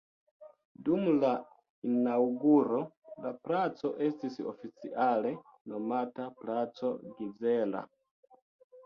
Dum la inaŭguro la placo estis oficiale nomata placo Gizella.